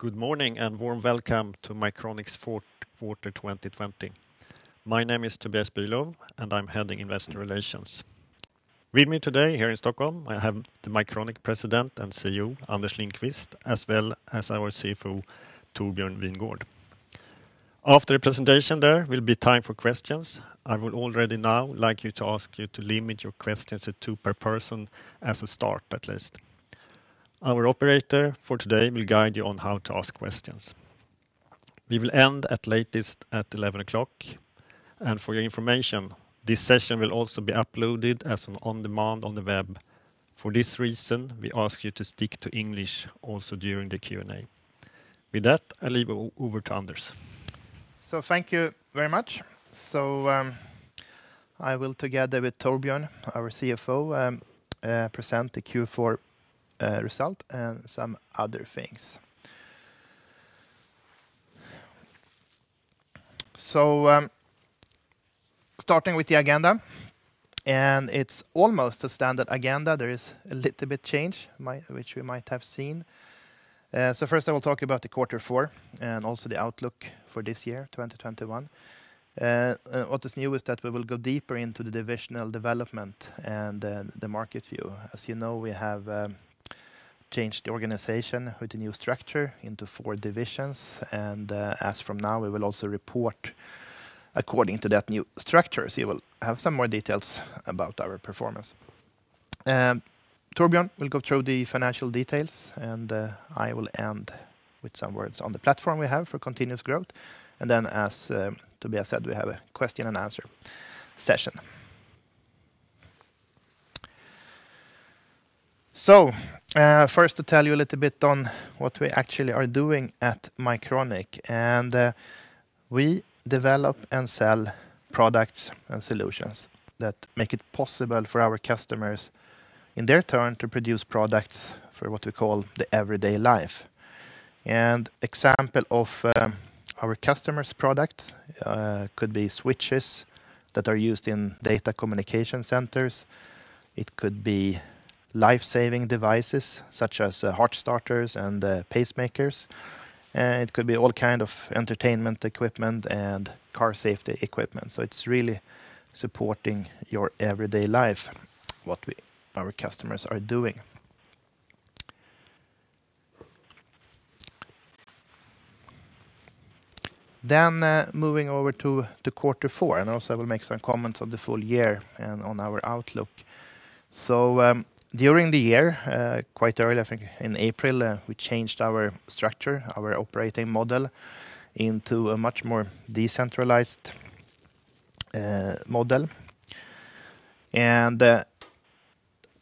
Good morning, warm welcome to Mycronic's fourth quarter 2020. My name is Tobias Bülow, and I'm heading investor relations. With me today here in Stockholm, I have the Mycronic President and CEO, Anders Lindqvist, as well as our CFO, Torbjörn Wingårdh. After the presentation, there will be time for questions. I would already now like you to ask you to limit your questions to two per person as a start, at least. Our operator for today will guide you on how to ask questions. We will end at latest at 11 o'clock. For your information, this session will also be uploaded as an on-demand on the web. For this reason, we ask you to stick to English also during the Q&A. With that, I leave it over to Anders. Thank you very much. I will, together with Torbjörn, our CFO, present the Q4 result and some other things. Starting with the agenda. It's almost a standard agenda. There is a little bit change, which we might have seen. First I will talk about the quarter four and also the outlook for this year, 2021. What is new is that we will go deeper into the divisional development and the market view. As you know, we have changed the organization with the new structure into four divisions. As from now, we will also report according to that new structure. You will have some more details about our performance. Torbjörn will go through the financial details. I will end with some words on the platform we have for continuous growth. Then, as Tobias said, we have a question and answer session. First to tell you a little bit on what we actually are doing at Mycronic. We develop and sell products and solutions that make it possible for our customers, in their turn, to produce products for what we call the everyday life. An example of our customer's product could be switches that are used in data communication centers. It could be life-saving devices such as heart starters and pacemakers. It could be all kind of entertainment equipment and car safety equipment. It's really supporting your everyday life, what our customers are doing. Moving over to the quarter four, and also I will make some comments on the full year and on our outlook. During the year, quite early, I think in April, we changed our structure, our operating model, into a much more decentralized model. That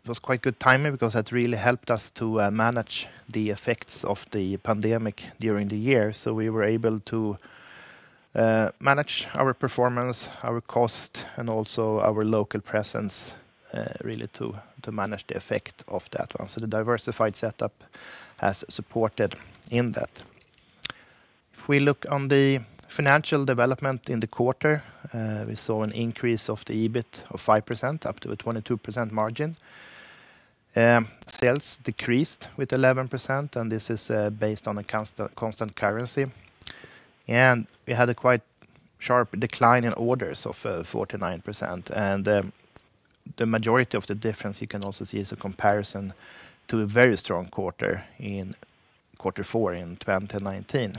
was quite good timing because that really helped us to manage the effects of the pandemic during the year. We were able to manage our performance, our cost, and also our local presence, really to manage the effect of that one. The diversified setup has supported in that. If we look on the financial development in the quarter, we saw an increase of the EBIT of 5%, up to a 22% margin. Sales decreased with 11%, and this is based on a constant currency. We had a quite sharp decline in orders of 49%. The majority of the difference you can also see is a comparison to a very strong quarter in quarter four in 2019.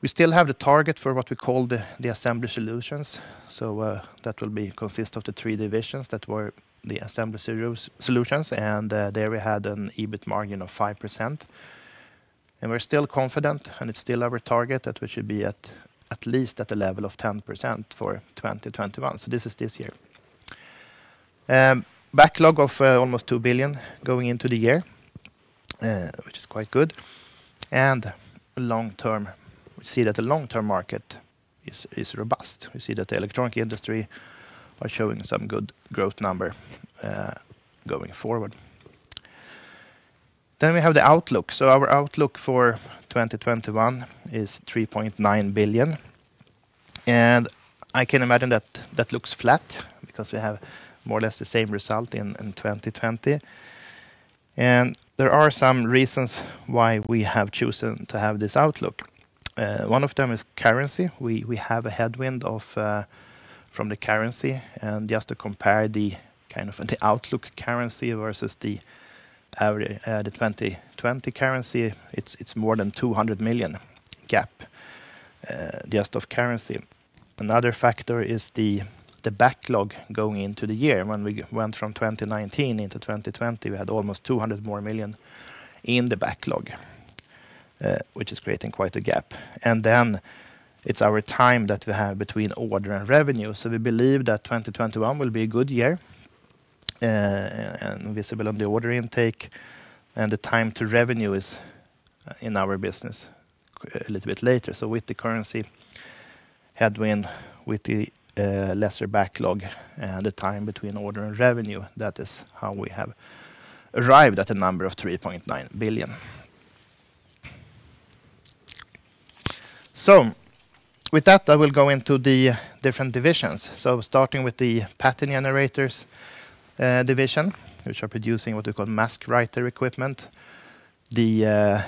We still have the target for what we call the Assembly Solutions. That will consist of the three divisions that were the Assembly Solutions. There we had an EBIT margin of 5%. We're still confident, and it's still our target that we should be at least at the level of 10% for 2021. This is this year. Backlog of almost 2 billion going into the year, which is quite good. Long term, we see that the long-term market is robust. We see that the electronic industry are showing some good growth number going forward. We have the outlook. Our outlook for 2021 is 3.9 billion. I can imagine that looks flat because we have more or less the same result in 2020. There are some reasons why we have chosen to have this outlook. One of them is currency. We have a headwind from the currency. Just to compare the outlook currency versus the 2020 currency, it's more than a 200 million gap just of currency. Another factor is the backlog going into the year. When we went from 2019 into 2020, we had almost 200 more million in the backlog, which is creating quite a gap. Then it's our time that we have between order and revenue. We believe that 2021 will be a good year. Visibility on the order intake and the time to revenue is in our business a little bit later. With the currency headwind, with the lesser backlog, and the time between order and revenue, that is how we have arrived at a number of 3.9 billion. With that, I will go into the different divisions. Starting with the Pattern Generators division, which are producing what we call mask writer equipment. The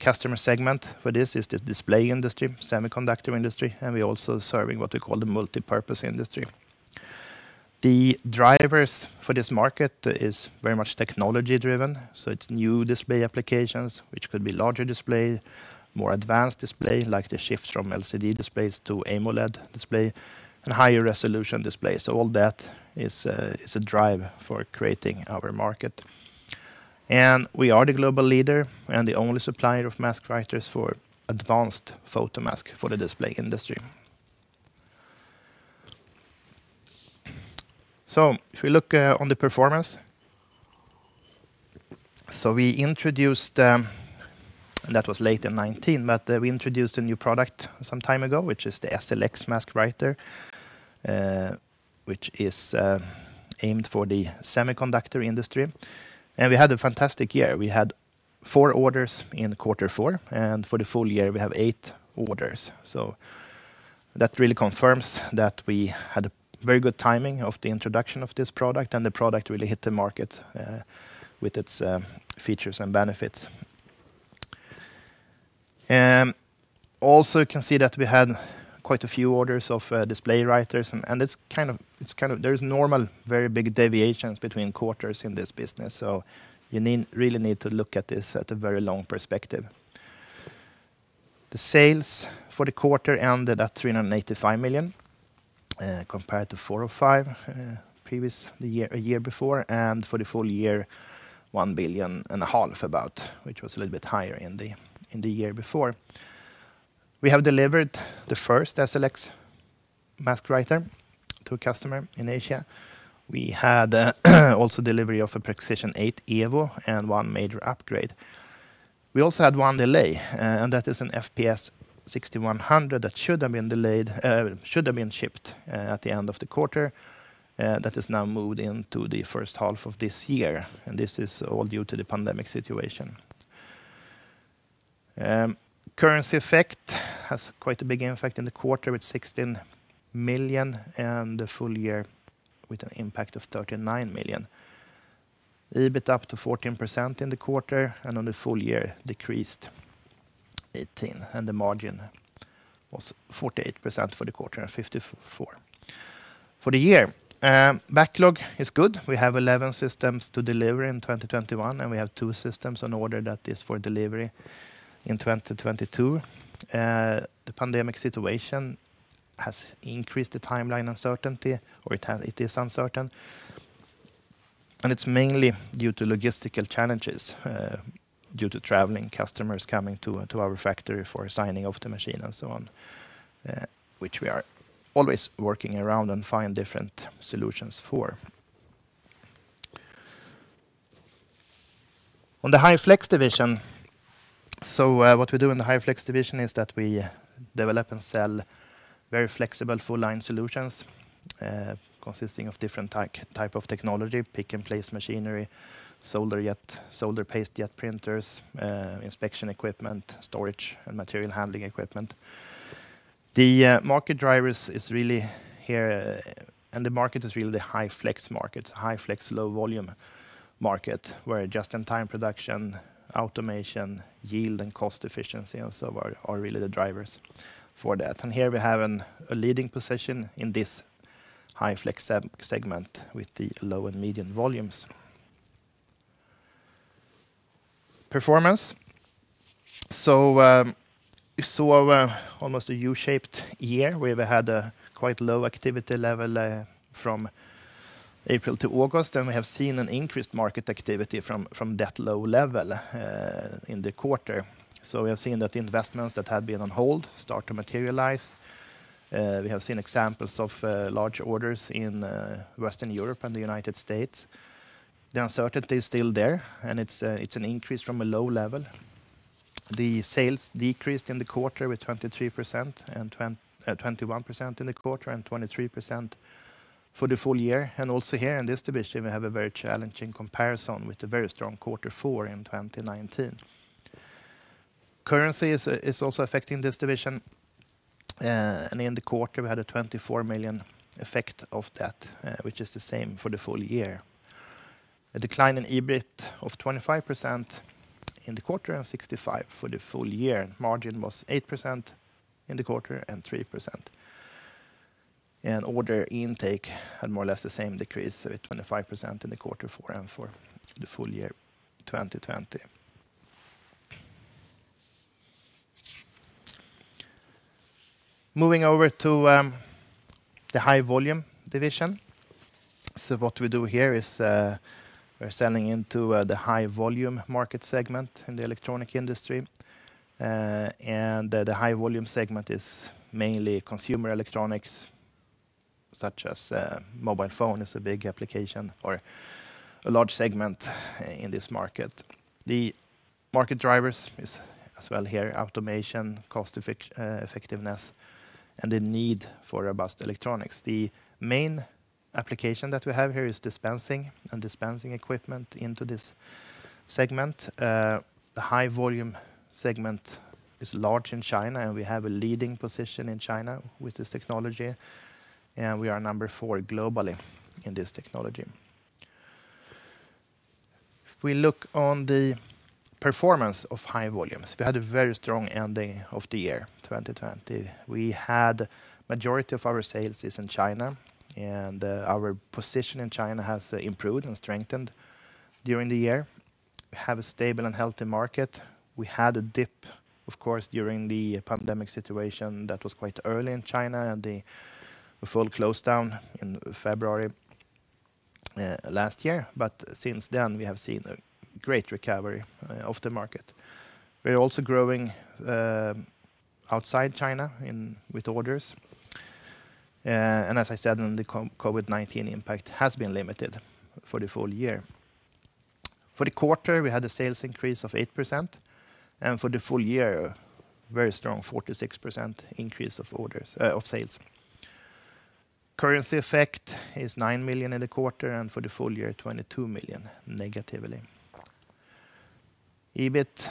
customer segment for this is the display industry, semiconductor industry. We are also serving what we call the multipurpose industry. The drivers for this market is very much technology-driven. It is new display applications, which could be larger display, more advanced display, like the shift from LCD displays to AMOLED display, and higher resolution displays. All that is a driver for creating our market. We are the global leader and the only supplier of mask writers for advanced photomask for the display industry. If we look on the performance, we introduced a new product some time ago, that was late in 2019, which is the SLX mask writer, which is aimed for the semiconductor industry. We had a fantastic year. We had four orders in quarter four. For the full year, we have eight orders. That really confirms that we had a very good timing of the introduction of this product, and the product really hit the market, with its features and benefits. You can see that we had quite a few orders of display writers, and there is normal, very big deviations between quarters in this business, you really need to look at this at a very long perspective. The sales for the quarter ended at 385 million, compared to 405 a year before, and for the full year, one billion and a half about, which was a little bit higher in the year before. We have delivered the first SLX mask writer to a customer in Asia. We had also delivery of a Prexision 8 Evo and one major upgrade. We also had one delay, and that is an FPS 6100 that should have been shipped at the end of the quarter, that has now moved into the first half of this year, and this is all due to the pandemic situation. Currency effect has quite a big effect in the quarter, with 16 million, and the full year with an impact of 39 million. EBIT up to 14% in the quarter, and on the full year, decreased 18%, and the margin was 48% for the quarter and 54% for the year. Backlog is good. We have 11 systems to deliver in 2021, and we have two systems on order that is for delivery in 2022. The pandemic situation has increased the timeline uncertainty, or it is uncertain. It's mainly due to logistical challenges, due to traveling customers coming to our factory for signing of the machine and so on, which we are always working around and find different solutions for. On the High Flex division. What we do in the High Flex division is that we develop and sell very flexible full-line solutions, consisting of different type of technology, pick-and-place machinery, solder paste jet printers, inspection equipment, storage, and material handling equipment. The market drivers are really here. The market is really the High Flex market, High Flex low volume market, where just-in-time production, automation, yield, and cost efficiency and so on are really the drivers for that. Here we have a leading position in this High Flex segment with the low and medium volumes. Performance. We saw almost a U-shaped year, where we had a quite low activity level from April to August, and we have seen an increased market activity from that low level, in the quarter. We have seen that the investments that had been on hold start to materialize. We have seen examples of large orders in Western Europe and the United States. The uncertainty is still there, and it's an increase from a low level. The sales decreased in the quarter with 21% in the quarter and 23% for the full year. Also here in this division, we have a very challenging comparison with the very strong quarter four in 2019. Currency is also affecting this division, and in the quarter, we had a 24 million effect of that, which is the same for the full year. A decline in EBIT of 25% in the quarter and 65% for the full year. Margin was 8% in the quarter and 3%. Order intake had more or less the same decrease with 25% in Q4 and for the full year 2020. Moving over to the High Volume division. What we do here is, we're selling into the High Volume market segment in the electronic industry. The High Volume segment is mainly consumer electronics, such as mobile phone is a big application for a large segment in this market. The market drivers is, as well here, automation, cost effectiveness, and the need for robust electronics. The main application that we have here is dispensing and dispensing equipment into this segment. The High Volume segment is large in China, and we have a leading position in China with this technology, and we are number four globally in this technology. If we look on the performance of High Volume, we had a very strong ending of the year 2020. We had majority of our sales is in China, and our position in China has improved and strengthened during the year. We have a stable and healthy market. We had a dip, of course, during the pandemic situation that was quite early in China and the full closedown in February last year. Since then, we have seen a great recovery of the market. We are also growing outside China with orders. As I said, the COVID-19 impact has been limited for the full year. For the quarter, we had a sales increase of 8%, and for the full year, very strong 46% increase of sales. Currency effect is 9 million in the quarter, and for the full year, 22 million negatively. EBIT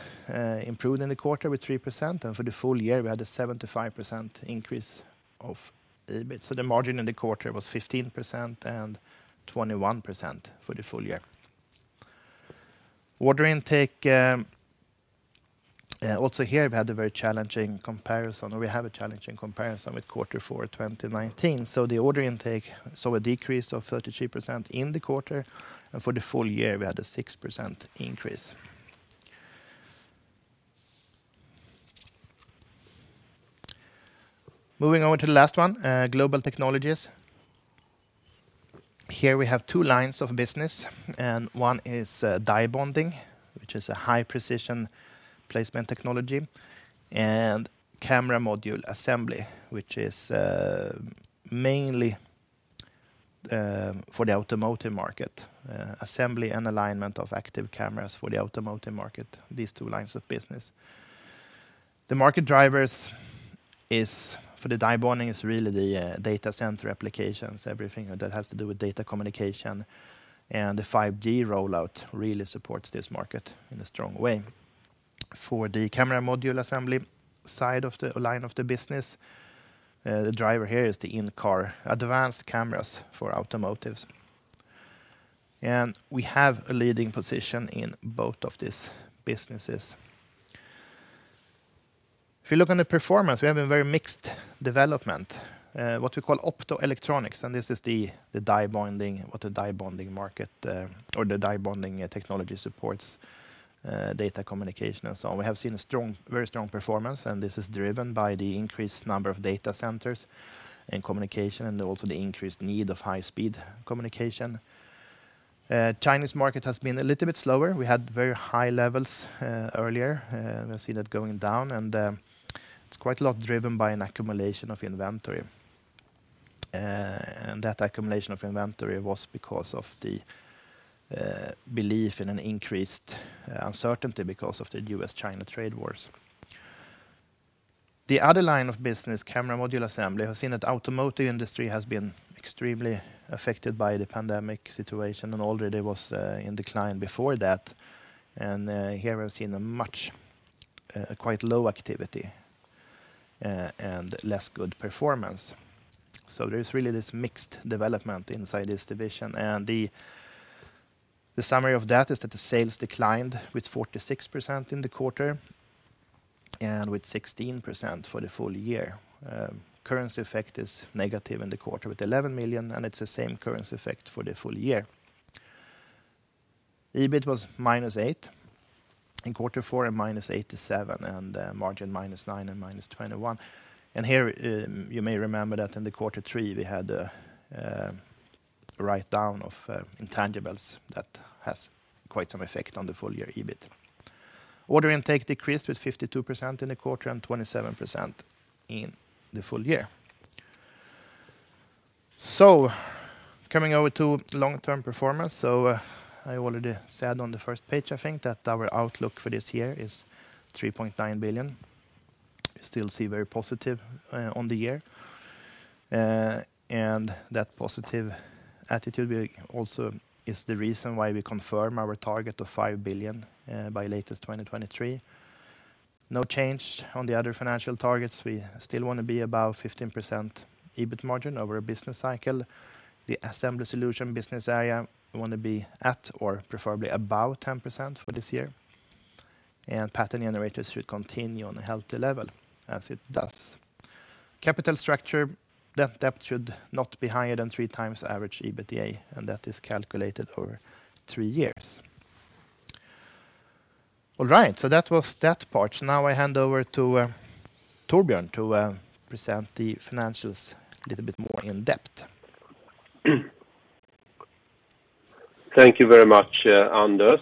improved in the quarter with 3%, and for the full year, we had a 75% increase of EBIT. The margin in the quarter was 15% and 21% for the full year. Order intake, also here we had a very challenging comparison, or we have a challenging comparison with quarter four 2019. The order intake saw a decrease of 33% in the quarter, and for the full year, we had a 6% increase. Moving over to the last one, Global Technologies. Here we have two lines of business. One is die bonding, which is a high-precision placement technology, and camera module assembly, which is mainly for the automotive market, assembly and alignment of active cameras for the automotive market. These two lines of business. The market drivers for the die bonding is really the data center applications, everything that has to do with data communication, and the 5G rollout really supports this market in a strong way. For the camera module assembly side of the line of the business, the driver here is the in-car advanced cameras for automotive. We have a leading position in both of these businesses. If you look on the performance, we have a very mixed development, what we call optoelectronics, and this is the die bonding what the die bonding market, or the die bonding technology supports data communication and so on. We have seen a very strong performance. This is driven by the increased number of data centers and communication and also the increased need of high-speed communication. Chinese market has been a little bit slower. We had very high levels earlier. We see that going down. It's quite a lot driven by an accumulation of inventory. That accumulation of inventory was because of the belief in an increased uncertainty because of the U.S.-China trade wars. The other line of business, camera module assembly, has seen that automotive industry has been extremely affected by the pandemic situation and already was in decline before that. Here we've seen a quite low activity and less good performance. There's really this mixed development inside this division. The summary of that is that the sales declined with 46% in the quarter and with 16% for the full year. Currency effect is negative in the quarter with 11 million, and it's the same currency effect for the full year. EBIT was -8 in quarter four and -87, and margin -9% and -21%. Here you may remember that in the quarter three, we had a write-down of intangibles that has quite some effect on the full year EBIT. Order intake decreased with 52% in the quarter and 27% in the full year. Coming over to long-term performance. I already said on the first page, I think, that our outlook for this year is 3.9 billion. We still see very positive on the year. That positive attitude also is the reason why we confirm our target of 5 billion by latest 2023. No change on the other financial targets. We still want to be above 15% EBIT margin over a business cycle. The Assembly Solutions business area want to be at or preferably above 10% for this year. Pattern Generators should continue on a healthy level as it does. Capital structure, net debt should not be higher than 3x average EBITDA, and that is calculated over three years. All right, that was that part. Now I hand over to Torbjörn to present the financials a little bit more in depth. Thank you very much, Anders.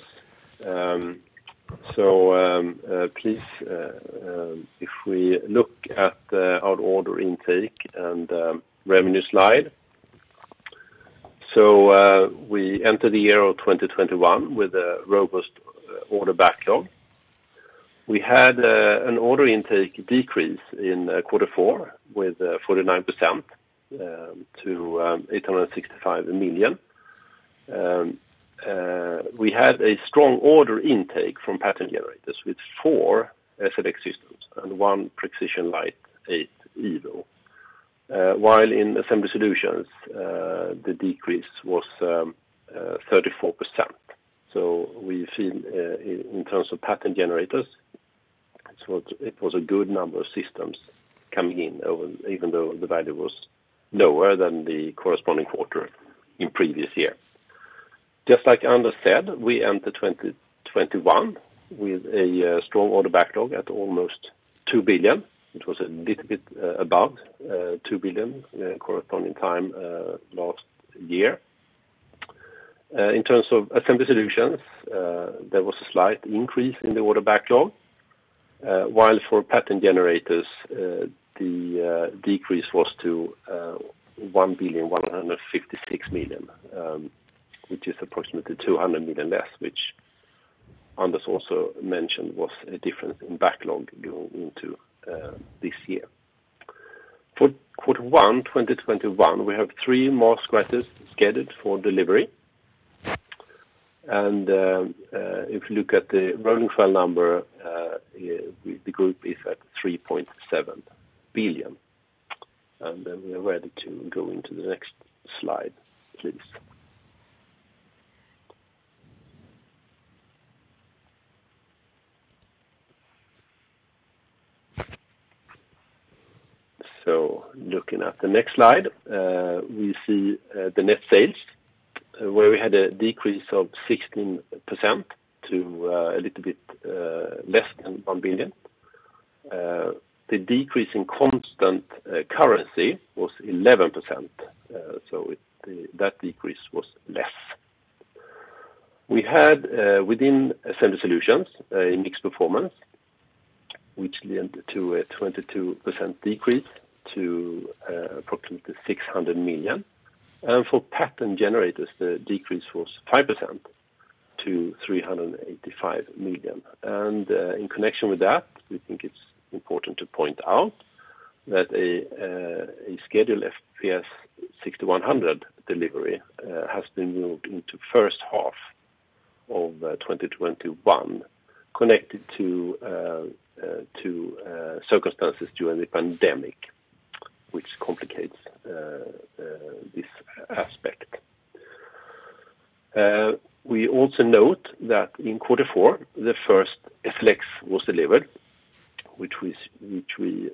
Please, if we look at our order intake and revenue slide. We enter the year of 2021 with a robust order backlog. We had an order intake decrease in quarter four with 49% to 865 million. We had a strong order intake from Pattern Generators with four SLX systems and one Prexision Lite 8 Evo. While in Assembly Solutions, the decrease was 34%. We feel, in terms of Pattern Generators, it was a good number of systems coming in, even though the value was lower than the corresponding quarter in previous year. Just like Anders said, we entered 2021 with a strong order backlog at almost 2 billion. It was a little bit above 2 billion corresponding time last year. In terms of Assembly Solutions, there was a slight increase in the order backlog, while for Pattern Generators, the decrease was to 1,156,000,000, which is approximately 200 million less, which Anders also mentioned was a difference in backlog going into this year. For quarter one 2021, we have three more scratchers scheduled for delivery. If you look at the rolling file number, the group is at 3.7 billion. We are ready to go into the next slide, please. Looking at the next slide, we see the net sales, where we had a decrease of 16% to a little bit less than 1 billion. The decrease in constant currency was 11%. That decrease was less. We had, within Assembly Solutions, a mixed performance, which led to a 22% decrease to approximately 600 million. For Pattern Generators, the decrease was 5% to 385 million. In connection with that, we think it is important to point out that a scheduled FPS 6100 delivery has been moved into first half of 2021, connected to circumstances during the pandemic, which complicates this aspect. We also note that in quarter four, the first SLX was delivered, which we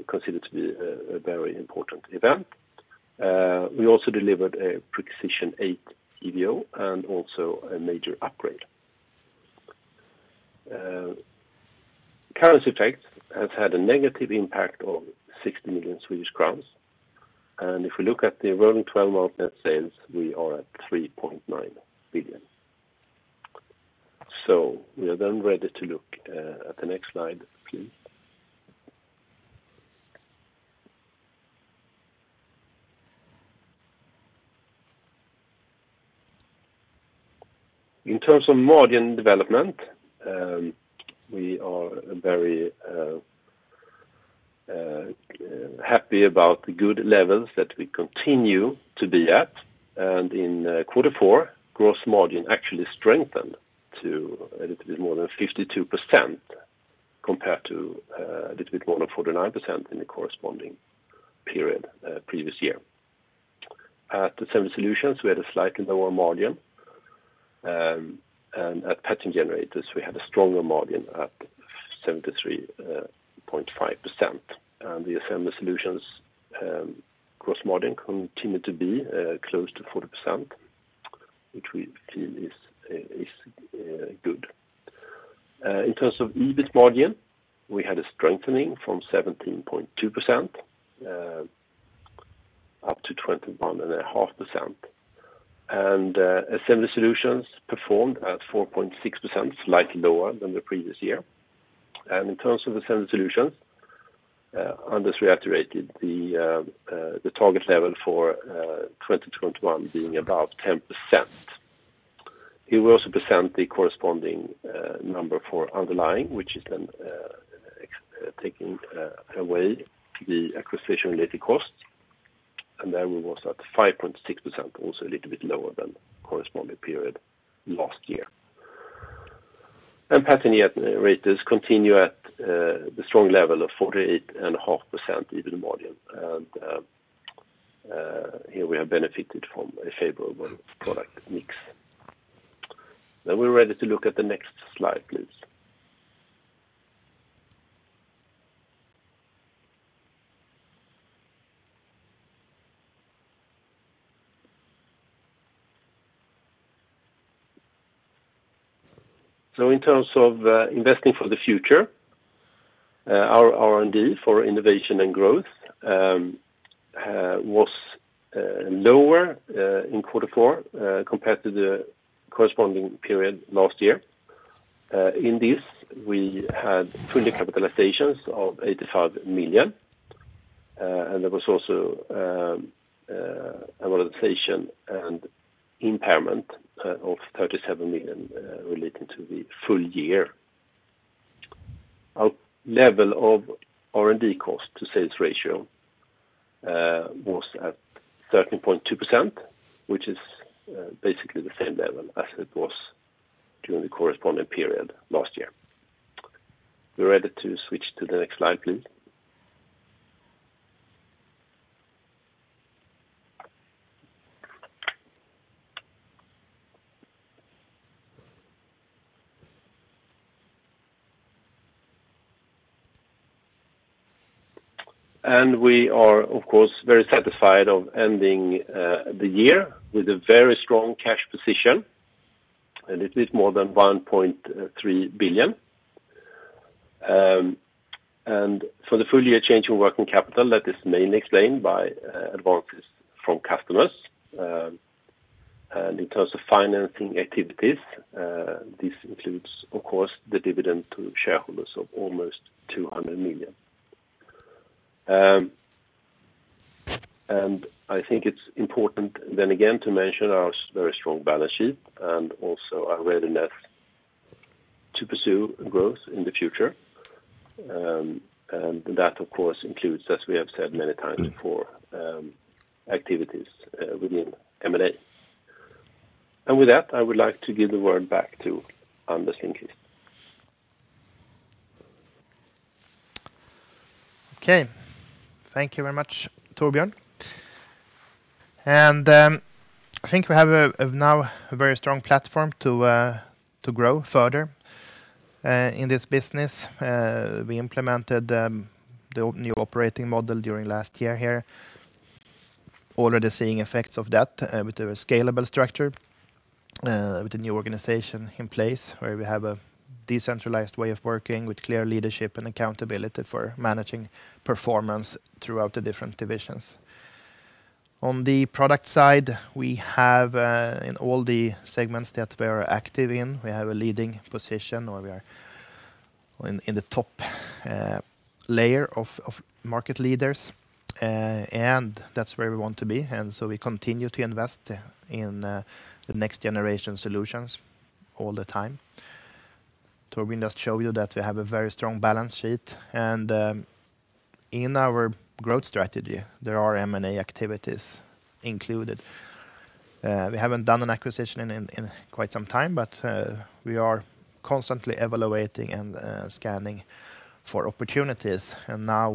consider to be a very important event. We also delivered a Prexision 8 Evo and also a major upgrade. Currency effect has had a negative impact of 60 million Swedish crowns. If we look at the rolling 12-month net sales, we are at 3.9 billion. We are then ready to look at the next slide, please. In terms of margin development, we are very happy about the good levels that we continue to be at. In quarter four, gross margin actually strengthened to a little bit more than 52% compared to a little bit more than 49% in the corresponding period previous year. At Assembly Solutions, we had a slightly lower margin. At Pattern Generators, we had a stronger margin at 73.5%. The Assembly Solutions gross margin continued to be close to 40%, which we feel is good. In terms of EBIT margin, we had a strengthening from 17.2% up to 21.5%. Assembly Solutions performed at 4.6%, slightly lower than the previous year. In terms of Assembly Solutions, Anders reiterated the target level for 2021 being above 10%. He will also present the corresponding number for underlying, which is then taking away the acquisition-related costs. There we were at 5.6%, also a little bit lower than corresponding period last year. Pattern Generators continue at the strong level of 48.5% EBIT margin. Here we have benefited from a favorable product mix. We're ready to look at the next slide, please. In terms of investing for the future, our R&D for innovation and growth was lower in quarter four compared to the corresponding period last year. In this, we had fully capitalizations of 85 million. There was also a amortization and impairment of 37 million relating to the full year. Our level of R&D cost to sales ratio was at 13.2%, which is basically the same level as it was during the corresponding period last year. We're ready to switch to the next slide, please. We are, of course, very satisfied of ending the year with a very strong cash position, and it is more than 1.3 billion. For the full year change in working capital, that is mainly explained by advances from customers. In terms of financing activities, this includes, of course, the dividend to shareholders of almost 200 million. I think it's important then again, to mention our very strong balance sheet and also our readiness to pursue growth in the future. That, of course, includes, as we have said many times before, activities within M&A. With that, I would like to give the word back to Anders Lindqvist. Okay. Thank you very much, Torbjörn. I think we have now a very strong platform to grow further in this business. We implemented the new operating model during last year here. Already seeing effects of that with a scalable structure, with the new organization in place where we have a decentralized way of working with clear leadership and accountability for managing performance throughout the different divisions. On the product side, we have in all the segments that we are active in, we have a leading position, or we are in the top layer of market leaders. That's where we want to be, we continue to invest in the next generation solutions all the time. Torbjörn just showed you that we have a very strong balance sheet, and in our growth strategy, there are M&A activities included. We haven't done an acquisition in quite some time, we are constantly evaluating and scanning for opportunities. Now,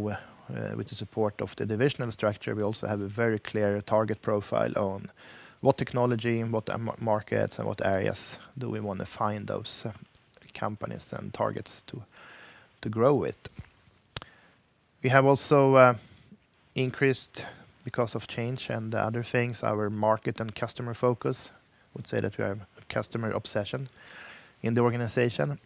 with the support of the divisional structure, we also have a very clear target profile on what technology, what markets, and what areas do we want to find those companies and targets to grow with. We have also increased because of change and other things, our market and customer focus. I would say that we have a customer obsession in the organization.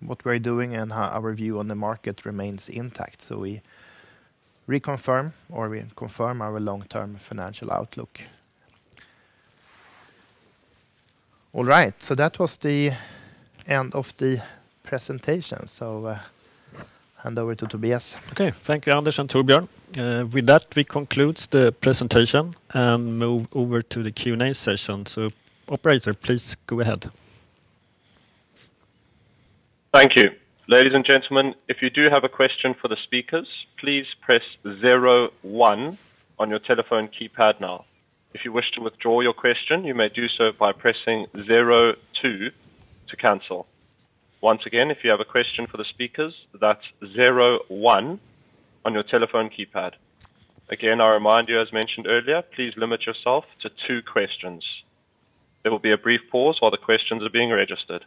What we're doing and our view on the market remains intact. We reconfirm, or we confirm our long-term financial outlook. All right, that was the end of the presentation. Hand over to Tobias. Okay, thank you, Anders and Torbjörn. With that, we conclude the presentation and move over to the Q&A session. Operator, please go ahead. Thank you. Ladies and gentlemen, if you do have a question for the speakers, please press zero one on your telephone keypad now. If you wish to withdraw your question, you may do so by pressing zero two to cancel. Once again, if you have a question for the speakers, that's zero one on your telephone keypad. Again, I remind you, as mentioned earlier, please limit yourself to two questions. There will be a brief pause while the questions are being registered.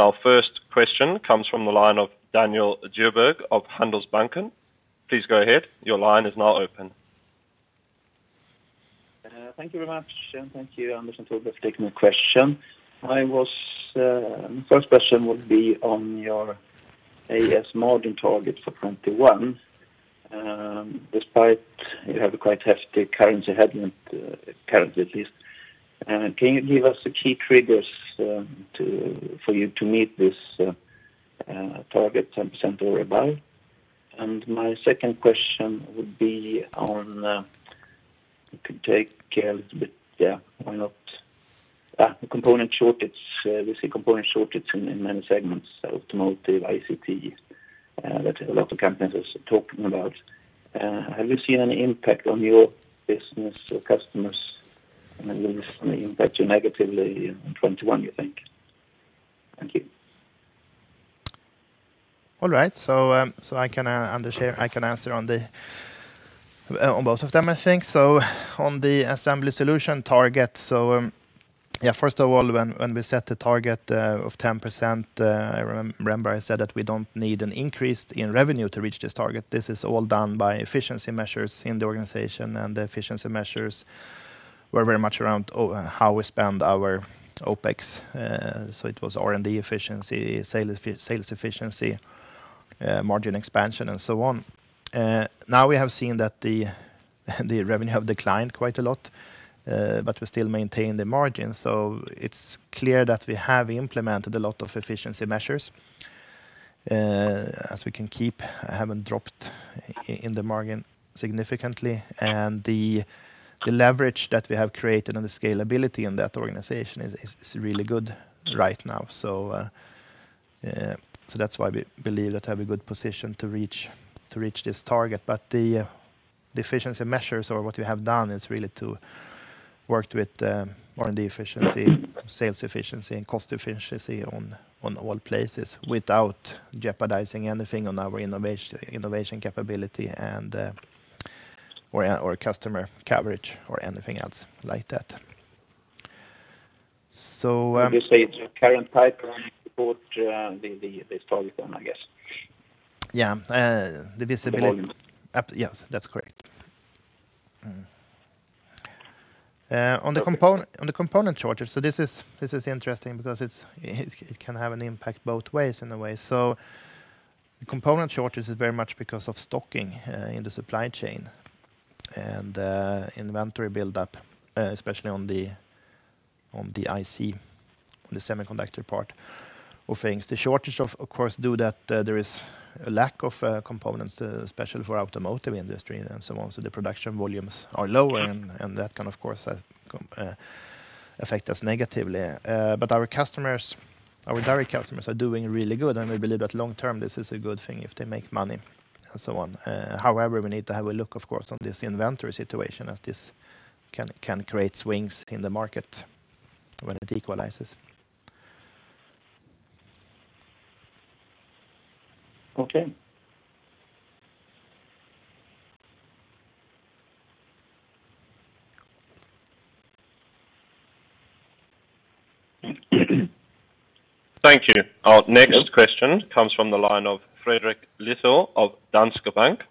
Our first question comes from the line of Daniel Djurberg of Handelsbanken. Please go ahead. Your line is now open. Thank you very much. Thank you, Anders and Torbjörn for taking the question. My first question would be on your AS margin target for 2021. Despite you have a quite hefty currency headwind, currently at least. Can you give us the key triggers for you to meet this target 10% or above? My second question would be on component shortage. We see component shortage in many segments, automotive, ICT, that a lot of companies are talking about. Have you seen any impact on your business or customers, and will this impact you negatively in 2021, you think? Thank you. All right. I can answer on both of them, I think. On the Assembly Solutions target. First of all, when we set the target of 10%, I remember I said that we don't need an increase in revenue to reach this target. This is all done by efficiency measures in the organization, and the efficiency measures were very much around how we spend our OPEX. It was R&D efficiency, sales efficiency, margin expansion and so on. Now we have seen that the revenue have declined quite a lot, but we still maintain the margin. It's clear that we have implemented a lot of efficiency measures, as we can keep, haven't dropped in the margin significantly. The leverage that we have created on the scalability in that organization is really good right now. That's why we believe that have a good position to reach this target. The efficiency measures or what we have done is really to worked with R&D efficiency, sales efficiency, and cost efficiency on all places without jeopardizing anything on our innovation capability or customer coverage, or anything else like that. Would you say it's a current type support the target then, I guess? Yeah. The volume. Yes. That's correct. On the component shortage, this is interesting because it can have an impact both ways in a way. The component shortage is very much because of stocking in the supply chain and inventory buildup, especially on the IC, on the semiconductor part of things. The shortage of course, due that there is a lack of components, especially for automotive industry and so on. The production volumes are lower and that can, of course, affect us negatively. Our direct customers are doing really good, and we believe that long term, this is a good thing if they make money and so on. However, we need to have a look, of course, on this inventory situation as this can create swings in the market when it equalizes. Okay. Thank you. Our next question comes from the line of Fredrik Lithell of Danske Bank.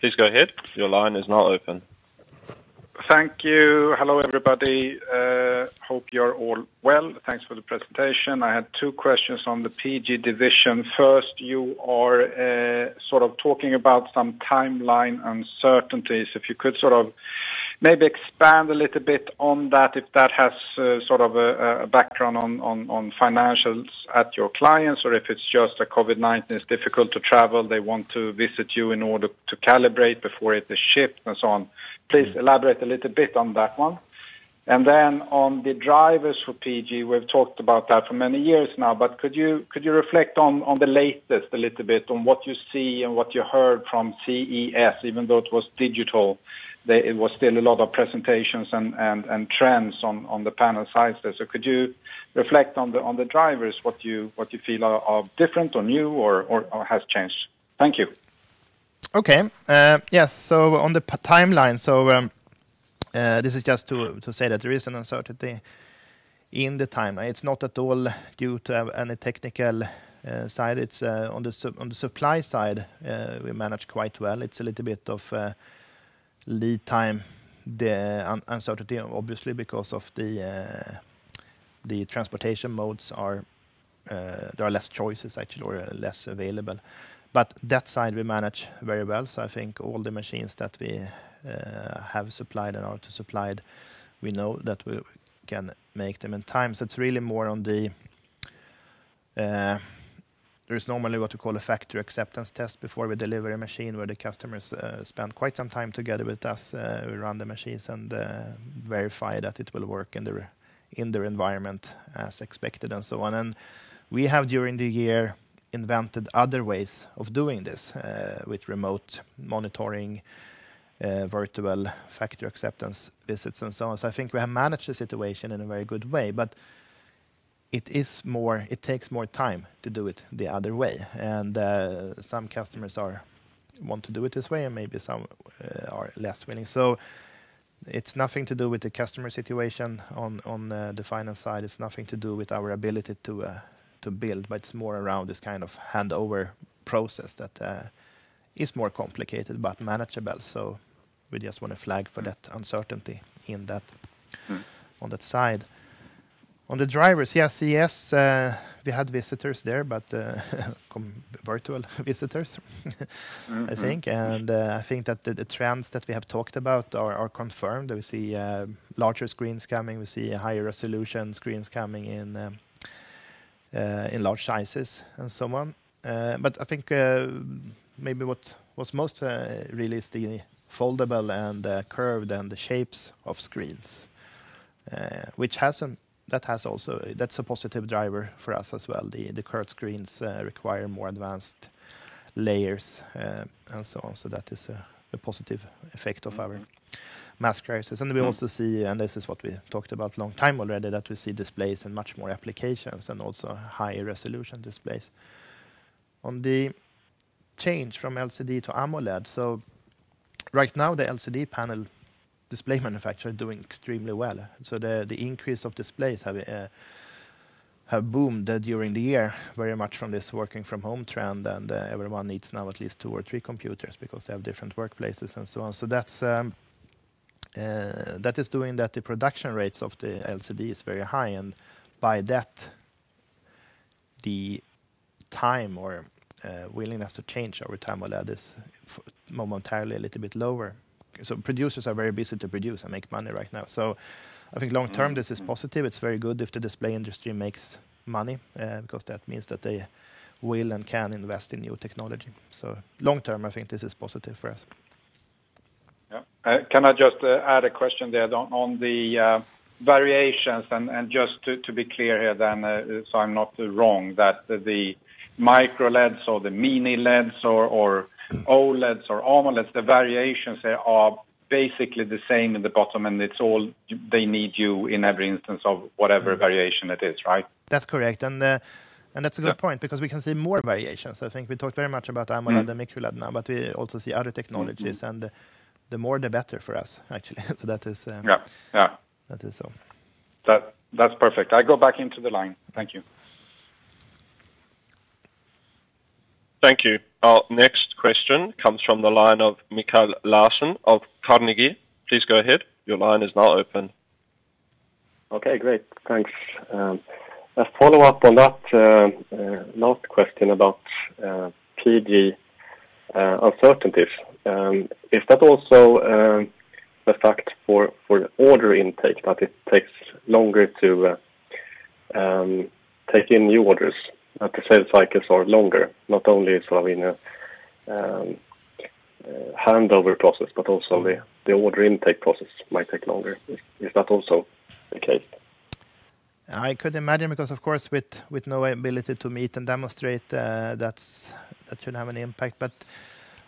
Please go ahead. Your line is now open. Thank you. Hello, everybody. Hope you're all well. Thanks for the presentation. I had two questions on the PG division. First, you are sort of talking about some timeline uncertainties. If you could sort of maybe expand a little bit on that, if that has sort of a background on financials at your clients or if it's just the COVID-19, it's difficult to travel. They want to visit you in order to calibrate before it is shipped and so on. Please elaborate a little bit on that one. Then on the drivers for PG, we've talked about that for many years now. Could you reflect on the latest a little bit, on what you see and what you heard from CES, even though it was digital, it was still a lot of presentations and trends on the panel sizes. Could you reflect on the drivers, what you feel are different or new or has changed? Thank you. Okay. Yes. On the timeline, this is just to say that there is an uncertainty in the timeline. It's not at all due to any technical side. On the supply side, we manage quite well. It's a little bit of lead time, the uncertainty, obviously, because of the transportation modes, there are less choices, actually, or less available. That side we manage very well. I think all the machines that we have supplied and are to supply, we know that we can make them in time. It's really more. There is normally what we call a factory acceptance test before we deliver a machine where the customers spend quite some time together with us. We run the machines and verify that it will work in their environment as expected and so on. We have, during the year, invented other ways of doing this, with remote monitoring, virtual factory acceptance visits, and so on. I think we have managed the situation in a very good way, but it takes more time to do it the other way. Some customers want to do it this way, and maybe some are less willing. It's nothing to do with the customer situation on the finance side. It's nothing to do with our ability to build, but it's more around this kind of handover process that is more complicated but manageable. We just want to flag for that uncertainty on that side. On the drivers, yes, CES, we had visitors there, but virtual visitors, I think. I think that the trends that we have talked about are confirmed. We see larger screens coming. We see higher resolution screens coming in large sizes and so on. I think maybe what was most realistic, foldable and curved and the shapes of screens, that's a positive driver for us as well. The curved screens require more advanced layers and so on. That is a positive effect of our mask writers. We also see, and this is what we talked about long time already, that we see displays in much more applications and also higher resolution displays. On the change from LCD to AMOLED, right now, the LCD panel display manufacturer are doing extremely well. The increase of displays have boomed during the year, very much from this working from home trend. Everyone needs now at least two or three computers because they have different workplaces and so on. That is doing that the production rates of the LCD is very high, and by that, the time or willingness to change over time OLED is momentarily a little bit lower. Producers are very busy to produce and make money right now. I think long term, this is positive. It is very good if the display industry makes money, because that means that they will and can invest in new technology. Long term, I think this is positive for us. Yeah. Can I just add a question there on the variations and just to be clear here then so I'm not wrong, that the Micro LED or the Mini LEDs or OLEDs or AMOLEDs, the variations there are basically the same in the bottom, and they need you in every instance of whatever variation it is, right? That's correct. That's a good point because we can see more variations. I think we talked very much about AMOLED and Micro LED now, but we also see other technologies, and the more the better for us, actually. Yeah ...that is so. That's perfect. I go back into the line. Thank you. Thank you. Our next question comes from the line of Mikael Laséen of Carnegie. Please go ahead. Okay, great. Thanks. A follow-up on that last question about PG uncertainties. Is that also a fact for order intake, that it takes longer to take in new orders, that the sales cycles are longer, not only sort of in a handover process, but also the order intake process might take longer? Is that also the case? I could imagine because, of course, with no ability to meet and demonstrate, that should have an impact.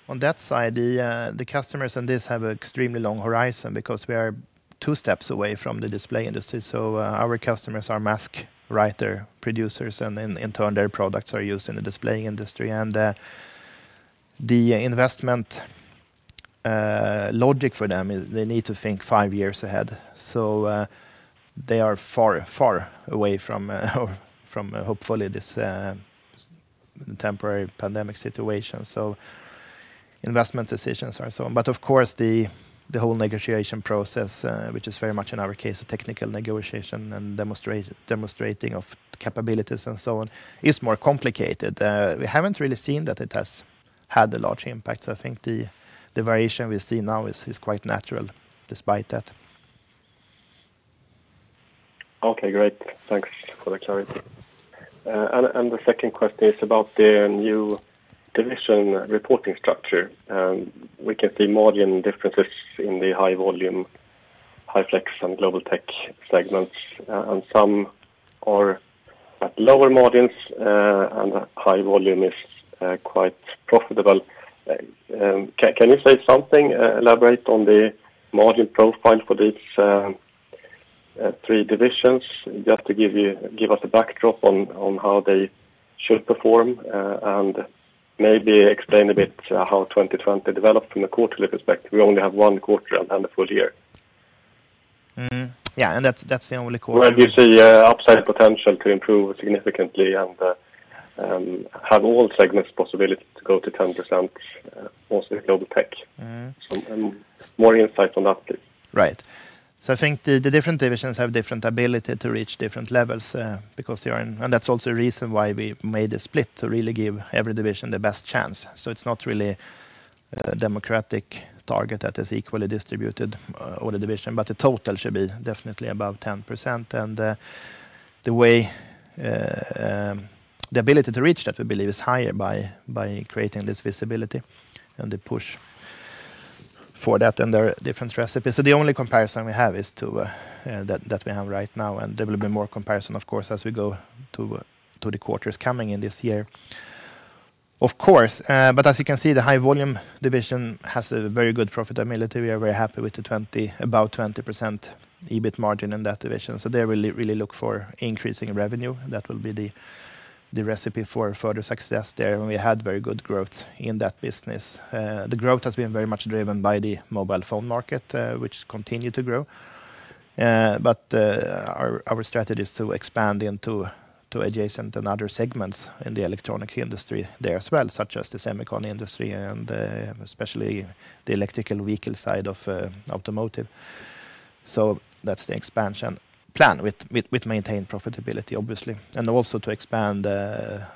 On that side, the customers on this have extremely long horizon because we are two steps away from the display industry. Our customers are mask writer producers, and in turn, their products are used in the display industry. The investment logic for them is they need to think five years ahead. They are far, far away from, hopefully, this temporary pandemic situation, so investment decisions are so on. Of course, the whole negotiation process, which is very much, in our case, a technical negotiation and demonstrating of capabilities and so on, is more complicated. We haven't really seen that it has had a large impact. I think the variation we see now is quite natural despite that. Okay, great. Thanks for the clarity. The second question is about the new division reporting structure. We can see margin differences in the High Volume, High Flex and Global Technologies segments, and some are at lower margins, and High Volume is quite profitable. Can you elaborate on the margin profile for these three divisions, just to give us a backdrop on how they should perform? Maybe explain a bit how 2020 developed from a quarterly perspective. We only have one quarter and a full year. Mm-hmm. Yeah, that's the only quarter. Where do you see upside potential to improve significantly and have all segments possibility to go to 10%, also with GlobalTech? Some more insight on that, please. Right. I think the different divisions have different ability to reach different levels. That's also the reason why we made a split to really give every division the best chance. It's not really a democratic target that is equally distributed over the division, but the total should be definitely above 10%. The ability to reach that, we believe, is higher by creating this visibility and the push for that. There are different recipes. The only comparison we have is that we have right now. There will be more comparison, of course, as we go to the quarters coming in this year. As you can see, the High Volume division has a very good profitability. We are very happy with about 20% EBIT margin in that division. They really look for increasing revenue. That will be the recipe for further success there, and we had very good growth in that business. The growth has been very much driven by the mobile phone market, which continue to grow. Our strategy is to expand into adjacent and other segments in the electronic industry there as well, such as the semicon industry and especially the electrical vehicle side of automotive. That's the expansion plan with maintained profitability, obviously, and also to expand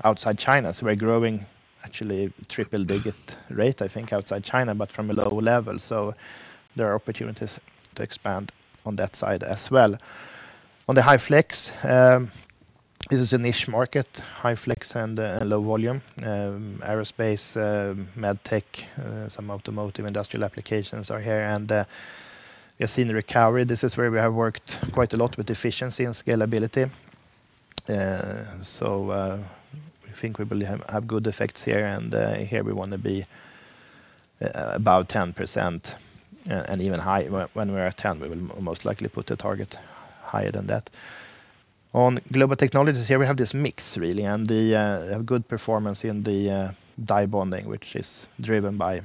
outside China. We're growing actually triple digit rate, I think, outside China, but from a low level. There are opportunities to expand on that side as well. On the High Flex, this is a niche market, High Flex and low volume, aerospace, med tech, some automotive industrial applications are here. We are seeing a recovery. This is where we have worked quite a lot with efficiency and scalability. We think we will have good effects here, and here we want to be about 10% and even high. When we're at 10, we will most likely put a target higher than that. On Global Technologies, here we have this mix, really, and a good performance in the die bonding, which is driven by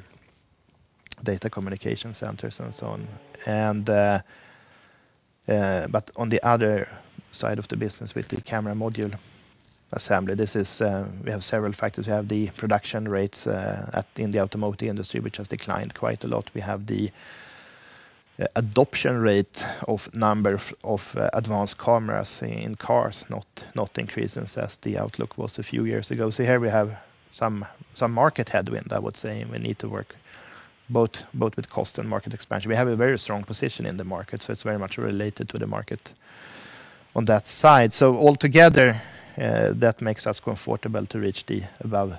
data communication centers and so on. On the other side of the business with the camera module assembly, we have several factors. We have the production rates in the automotive industry, which has declined quite a lot. We have the adoption rate of number of advanced cameras in cars not increasing as the outlook was a few years ago. Here we have some market headwind, I would say, and we need to work both with cost and market expansion. We have a very strong position in the market, so it's very much related to the market on that side. Altogether, that makes us comfortable to reach the above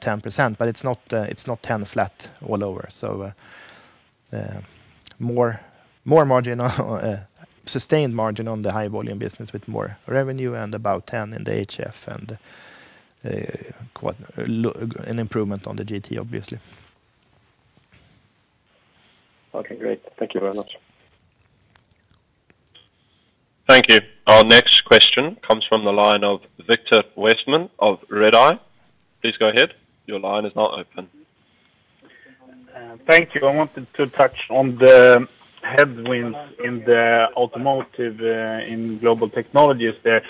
10%, but it's not 10 flat all over. Sustained margin on the High Volume business with more revenue and above 10 in the HF and an improvement on the GT, obviously. Okay, great. Thank you very much. Thank you. Our next question comes from the line of Viktor Westman of Redeye. Please go ahead. Thank you. I wanted to touch on the headwinds in the automotive, in Global Technologies there.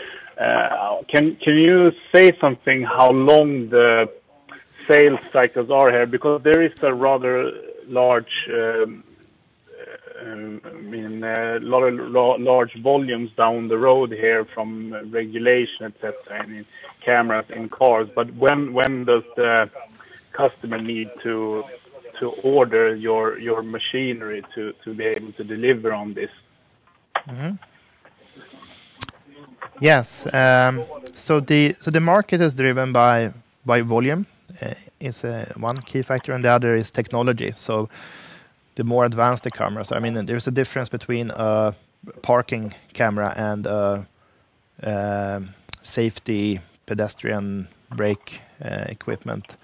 Can you say something how long the sales cycles are here? There is a rather large volumes down the road here from regulation, et cetera, and in cameras and cars. When does the customer need to order your machinery to be able to deliver on this? Yes. The market is driven by volume is one key factor, and the other is technology. The more advanced the cameras. There's a difference between a parking camera and a safety pedestrian brake equipment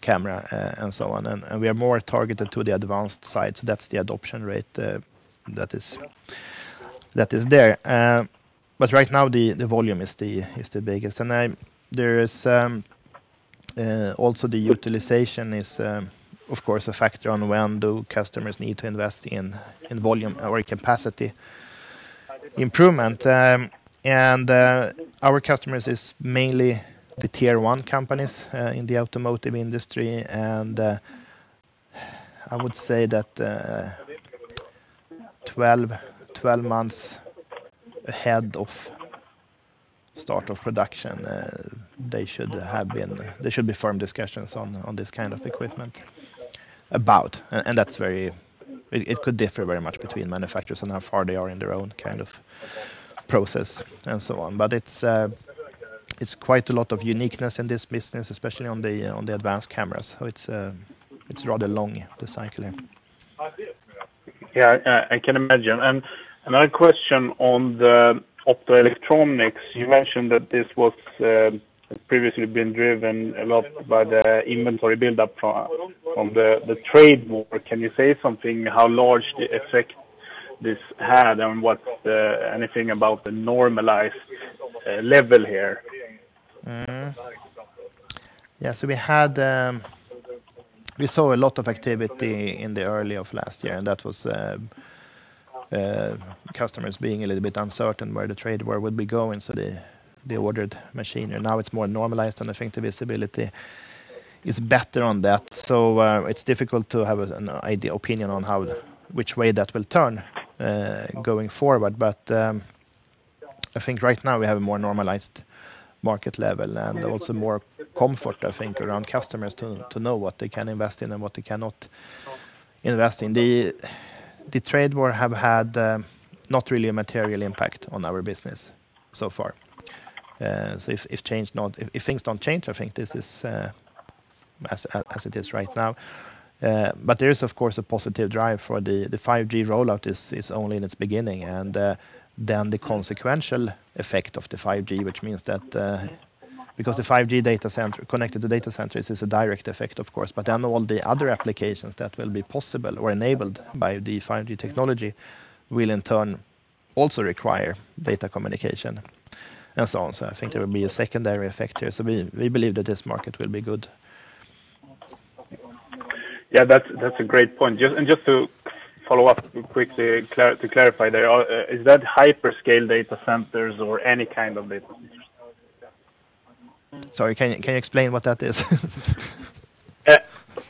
camera, and so on. We are more targeted to the advanced side. That's the adoption rate that is there. Right now the volume is the biggest. The utilization is, of course, a factor on when do customers need to invest in volume or capacity improvement. Our customers is mainly the Tier 1 companies in the automotive industry, and I would say that 12 months ahead of start of production, there should be firm discussions on this kind of equipment about. It could differ very much between manufacturers and how far they are in their own kind of process and so on. It's quite a lot of uniqueness in this business, especially on the advanced cameras. It's rather long, the cycle. Yeah, I can imagine. Another question on the optoelectronics. You mentioned that this was previously been driven a lot by the inventory buildup from the Trade War. Can you say something how large the effect this had and anything about the normalized level here? Mm-hmm. Yeah, we saw a lot of activity in the early of last year, and that was customers being a little bit uncertain where the trade war would be going, so they ordered machinery. Now it's more normalized, and I think the visibility is better on that. It's difficult to have an ideal opinion on which way that will turn going forward. I think right now we have a more normalized market level and also more comfort, I think, around customers to know what they can invest in and what they cannot invest in. The trade war have had not really a material impact on our business so far. If things don't change, I think this is as it is right now. There is, of course, a positive drive, for the 5G rollout is only in its beginning. The consequential effect of the 5G, which means that because the 5G connected to data centers is a direct effect, of course. All the other applications that will be possible or enabled by the 5G technology will in turn also require data communication and so on. I think there will be a secondary effect here. We believe that this market will be good. Yeah, that's a great point. Just to follow up quickly to clarify there, is that hyperscale data centers or any kind of data centers? Sorry, can you explain what that is?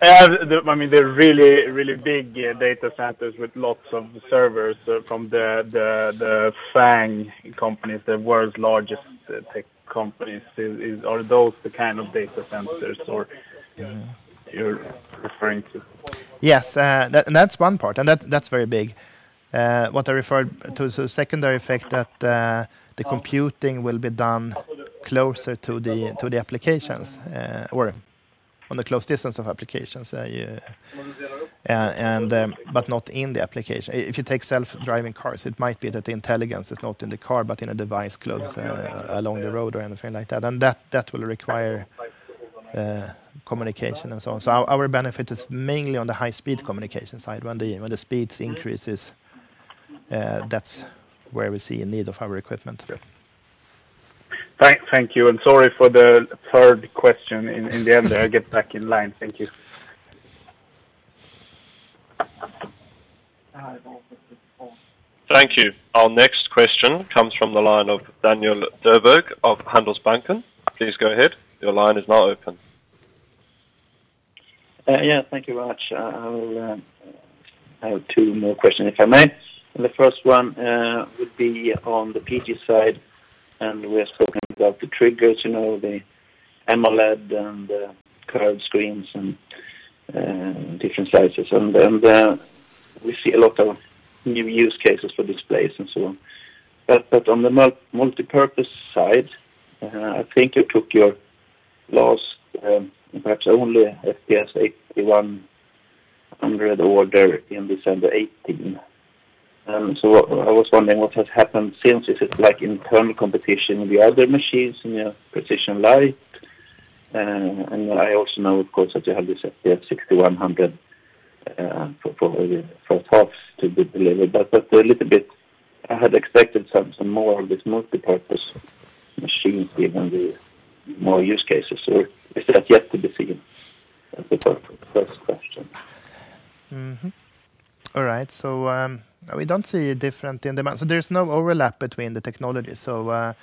I mean, the really, really big data centers with lots of servers from the FAANG companies, the world's largest tech companies, are those the kind of data centers you're referring to? Yes. That's one part, and that's very big. What I referred to as a secondary effect that the computing will be done closer to the applications, or on a close distance of applications, but not in the application. If you take self-driving cars, it might be that the intelligence is not in the car, but in a device close along the road or anything like that. That will require communication and so on. Our benefit is mainly on the high-speed communication side. When the speeds increases, that's where we see a need of our equipment. Thank you. Sorry for the third question in the end there. I get back in line. Thank you. Thank you. Our next question comes from the line of Daniel Djurberg of Handelsbanken. Please go ahead. Your line is now open. Yeah, thank you very much. I have two more questions, if I may. The first one would be on the PG side. We're talking about the triggers, the AMOLED and the curved screens and different sizes. We see a lot of new use cases for displays and so on. On the multipurpose side, I think you took your last, perhaps only FPS 8100 order in December 2018. I was wondering what has happened since. Is it internal competition with the other machines in your Prexision Lite? I also know, of course, that you have this FPS 6100 for halves to be delivered, a little bit, I had expected some more of these multipurpose machines, given the more use cases, or is that yet to be seen? That's the first question. All right. We don't see a difference in demand. There's no overlap between the technology. You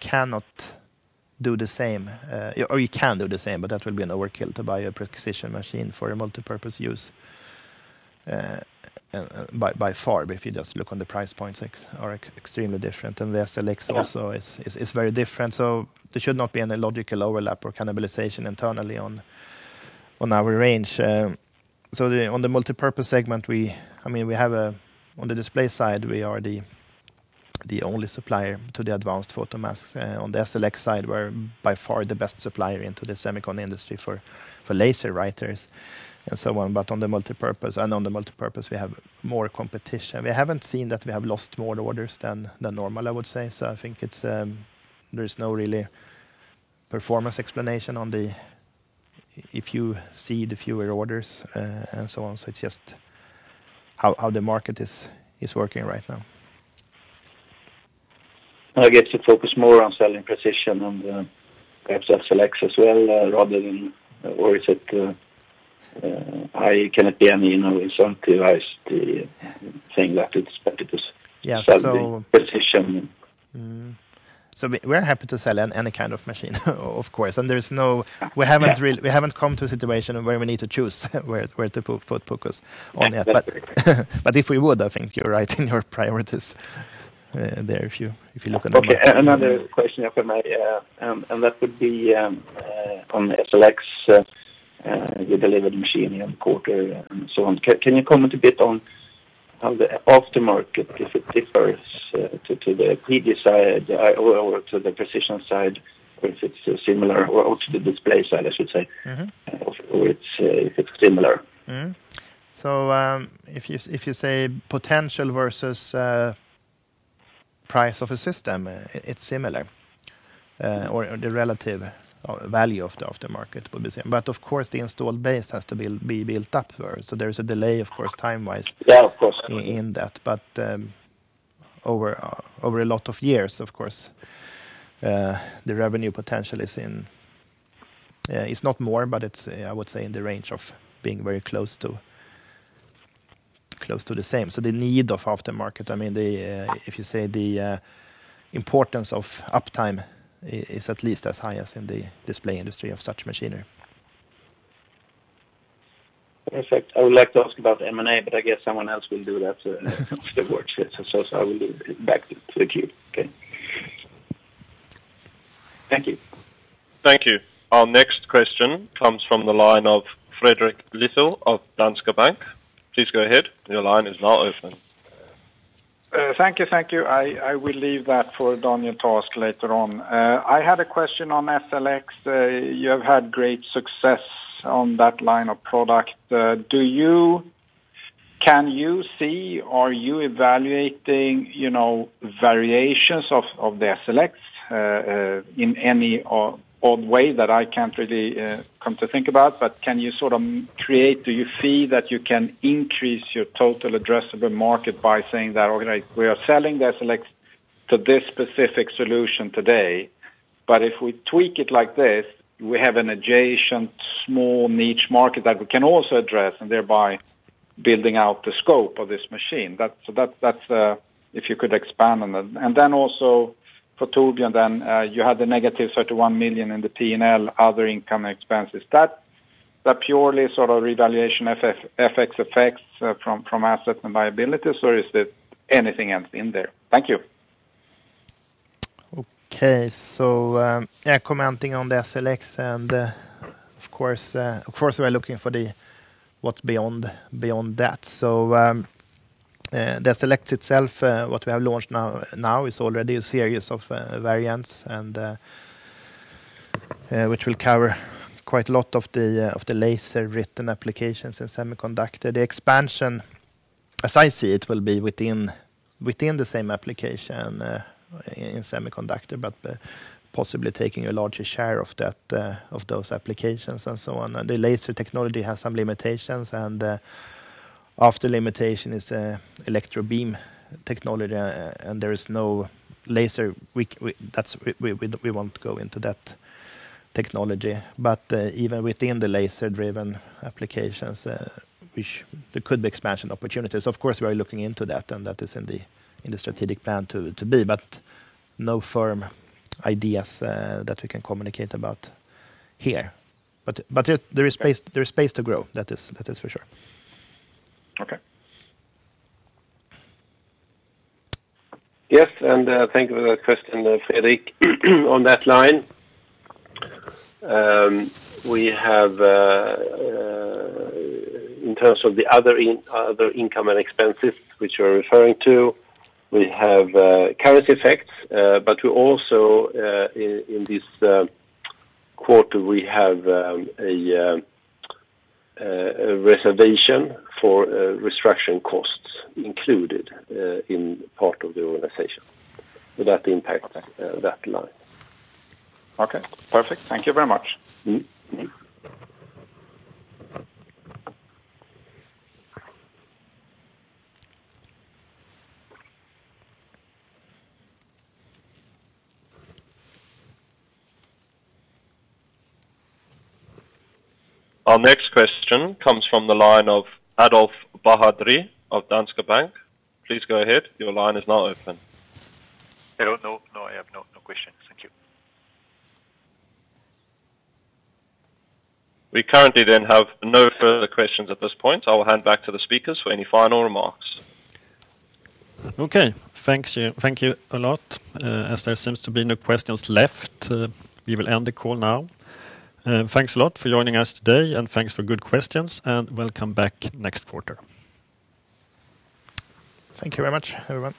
cannot do the same, or you can do the same, but that would be an overkill to buy a Prexision machine for a multipurpose use. By far, if you just look on the price points are extremely different. The SLX also is very different, there should not be any logical overlap or cannibalization internally on our range. On the multipurpose segment, on the display side, we are the only supplier to the advanced photomasks. On the SLX side, we're by far the best supplier into the semicon industry for laser writers and so on. On the multipurpose, we have more competition. We haven't seen that we have lost more orders than normal, I would say. I think there is no really performance explanation if you see the fewer orders and so on. It's just how the market is working right now. I guess you focus more on selling Prexision and perhaps SLX as well. Is it, I cannot be in your insights. Yeah. -sell the Prexision. We're happy to sell any kind of machine of course. We haven't come to a situation where we need to choose where to put focus on that. Yeah, that's great. If we would, I think you're right in your priorities there if you look at the market. Okay, another question, if I may. That would be on SLX. You delivered the machine in quarter and so on. Can you comment a bit on the aftermarket if it differs to the PG side or to the Prexision side, if it's similar, or to the display side, I should say? If it's similar. Mm-hmm. If you say potential versus price of a system, it's similar, or the relative value of the aftermarket will be same. Of course, the installed base has to be built up first. There's a delay, of course, time-wise. Yeah, of course. in that. Over a lot of years, of course, the revenue potential it's not more, but it's, I would say, in the range of being very close to the same. The need of aftermarket, if you say the importance of uptime, is at least as high as in the display industry of such machinery. Perfect. I would like to ask about M&A, but I guess someone else will do that towards it. I will give it back to the queue. Okay. Thank you. Thank you. Our next question comes from the line of Fredrik Lithell of Danske Bank. Please go ahead. Thank you. I will leave that for Daniel to later on. I had a question on SLX. You have had great success on that line of product. Can you see, are you evaluating variations of the SLX in any odd way that I can't really come to think about? Can you sort of create, do you see that you can increase your total addressable market by saying that, "Okay, we are selling the SLX to this specific solution today, but if we tweak it like this, we have an adjacent small niche market that we can also address, and thereby building out the scope of this machine." If you could expand on that. Also for Torbjörn, then, you had the -31 million in the P&L, other income expenses. That purely sort of revaluation FX effects from assets and liabilities, or is there anything else in there? Thank you. Okay. Yeah, commenting on the SLX, of course, we're looking for what's beyond that. The SLX itself, what we have launched now is already a series of variants, which will cover quite a lot of the laser-written applications in semiconductor. The expansion, as I see it, will be within the same application in semiconductor, but possibly taking a larger share of those applications and so on. The laser technology has some limitations and after limitation is electron beam technology, there is no laser. We won't go into that technology. Even within the laser-driven applications, there could be expansion opportunities. Of course, we are looking into that is in the strategic plan to be, no firm ideas that we can communicate about here. There is space to grow, that is for sure. Okay. Yes, thank you for that question, Fredrik. On that line, we have, in terms of the other income and expenses which you are referring to, we have currency effects. We also, in this quarter, we have a reservation for restructuring costs included in part of the organization. That impacts that line. Okay, perfect. Thank you very much. Our next question comes from the line of Adolphe Baraderie of Danske Bank. Please go ahead. Hello. No, I have no questions. Thank you. We currently then have no further questions at this point. I will hand back to the speakers for any final remarks. Okay. Thank you a lot. As there seems to be no questions left, we will end the call now. Thanks a lot for joining us today, and thanks for good questions, and welcome back next quarter. Thank you very much, everyone.